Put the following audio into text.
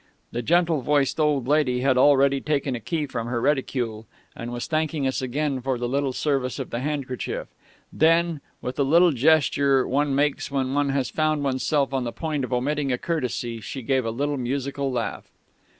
The gentle voiced old lady had already taken a key from her reticule and was thanking us again for the little service of the handkerchief; then, with the little gesture one makes when one has found oneself on the point of omitting a courtesy, she gave a little musical laugh.